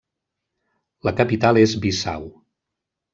La capital és Bissau.